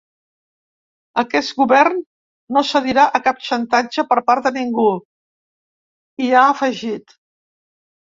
Aquest govern no cedirà a cap xantatge per part de ningú, hi ha afegit.